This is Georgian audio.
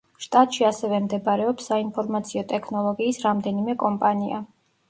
შტატში ასევე მდებარეობს საინფორმაციო ტექნოლოგიის რამდენიმე კომპანია.